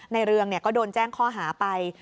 ในเรื่องเนี่ยก็โดนแจ้งข้อหาไป